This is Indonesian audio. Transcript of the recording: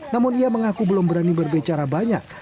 namun ia mengaku belum berani berbicara banyak